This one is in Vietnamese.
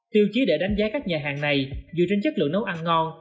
tiêu chí để đánh giá các nhà hàng này dựa trên chất lượng nấu ăn ngon